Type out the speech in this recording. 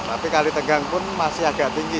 tapi kali tegang pun masih agak tinggi